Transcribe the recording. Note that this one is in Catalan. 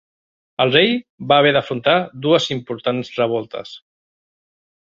El rei va haver d'afrontar dues importants revoltes.